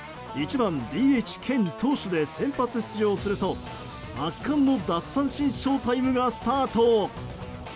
１番ＤＨ兼投手で先発出場すると圧巻の奪三振ショータイムがスタート！